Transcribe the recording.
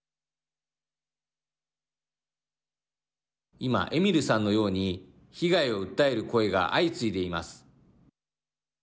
今、エミルさんのように被害を訴える声が相次いでいます。